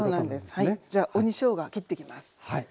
じゃあ鬼しょうが切ってきます。